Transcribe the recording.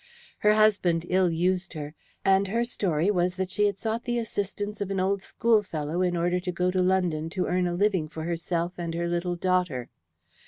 Her husband ill used her, and her story was that she had sought the assistance of an old schoolfellow in order to go to London to earn a living for herself and her little daughter.